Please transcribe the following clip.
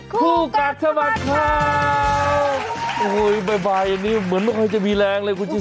คู่กัดสะบัดข่าวโอ้โหบ่ายบ่ายอันนี้เหมือนไม่ค่อยจะมีแรงเลยคุณชิสา